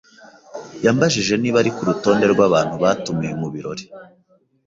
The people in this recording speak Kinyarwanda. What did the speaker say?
yambajije niba ari kurutonde rwabantu batumiwe mubirori.